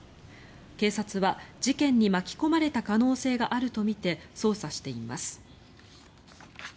警察は、事件に巻き込まれた可能性があるとみて捜査しています。